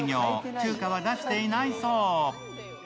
中華は出していないそう。